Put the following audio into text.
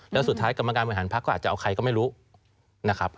แล้วสุดท้ายกรรมการบริหารพักก็อาจจะเอาใครก็ไม่รู้นะครับ